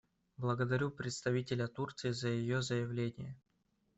Благодарю представителя Турции за ее заявление.